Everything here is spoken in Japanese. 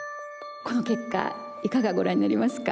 この結果いかがご覧になりますか？